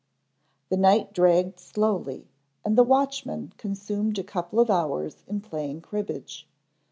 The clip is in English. The night dragged slowly and the watchmen consumed a couple of hours in playing cribbage.